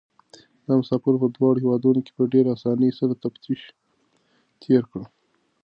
دا مسافر په دواړو هېوادونو کې په ډېرې اسانۍ سره تفتيش تېر کړ.